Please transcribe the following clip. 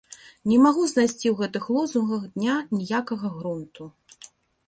Не магу знайсці ў гэтых лозунгах дня ніякага грунту!